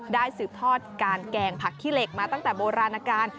สืบทอดการแกงผักขี้เหล็กมาตั้งแต่โบราณการ